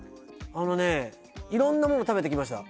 あのね色んなもの食べてきました